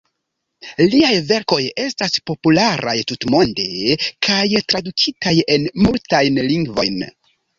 Liaj verkoj estas popularaj tutmonde kaj tradukitaj en multajn lingvojn.